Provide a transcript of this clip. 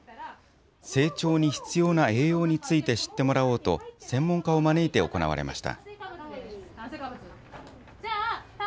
成長に必要な栄養について知ってもらおうと、専門家を招いて行われました。